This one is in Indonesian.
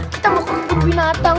kita mau kekubur binatang